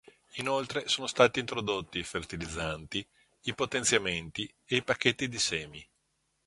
Inoltre sono stati introdotti i fertilizzanti, i potenziamenti e i pacchetti di semi.